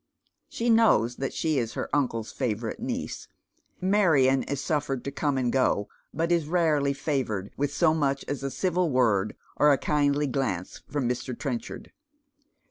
She knows that she is her uncle's favourite niece. Marion is suffered to come and go, but is rarely favoured with so much as a civil word or a kindly glance from Mr. Trenchard.